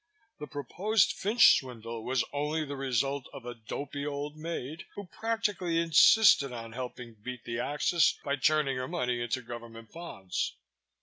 The proposed Fynch swindle was only the result of a dopey old maid who practically insisted on helping beat the Axis by turning her money into Government bonds.